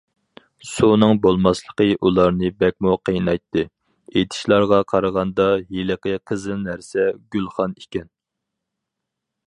سۇنىڭ بولماسلىقى ئۇلارنى بەكمۇ قىينايتتى... ئېيتىشلارغا قارىغاندا، ھېلىقى قېزىل نەرسە« گۈلخان» ئىكەن.